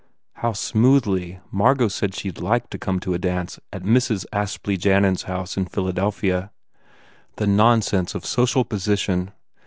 How smoothly Margot said she d like to come to a dance at Mrs. Apsley Jannan s house in Phil adelphia! The nonsense of social position!